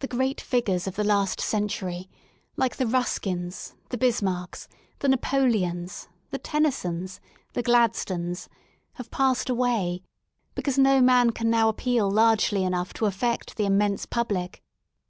The great figures of the last century — like the Ruskins, the Bismarcks, the Napoleons, the Tennysons, the Gladstones — have passed away, because no man can now appeal largely enough to affect the immense public.